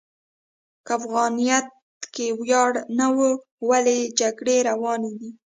که افغانیت کې ویاړ نه و، ولې جګړې روانې دي؟